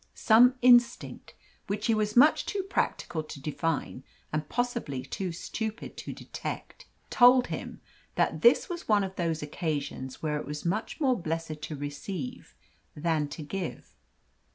Some instinct, which he was much too practical to define, and possibly too stupid to detect, told him that this was one of those occasions where it is much more blessed to receive than to give.